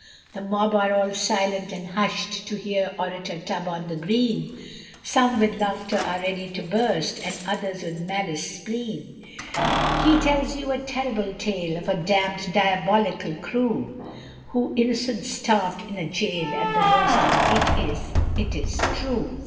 The mob are all silent and hush'd, To hear Orator Tub on the green, Some with laughter are ready to burst, And others with malice spleen, He tells you a terrible tale, Of a Damn'd Diabolical Crew, Who Innocents starv'd in a Jail, And the worst of it is IT IS TRUE!